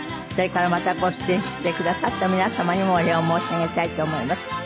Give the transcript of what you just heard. それからまたご出演してくださった皆様にもお礼を申し上げたいと思います。